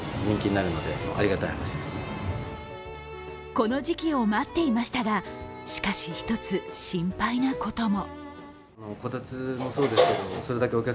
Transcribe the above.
この時期を待っていましたが、しかし一つ、心配なことも。